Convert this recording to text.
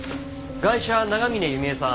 ガイシャは永峰弓江さん